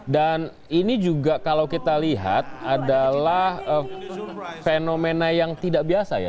dan ini juga kalau kita lihat adalah fenomena yang tidak biasa ya